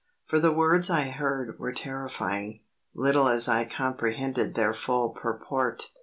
For the words I heard were terrifying, little as I comprehended their full purport.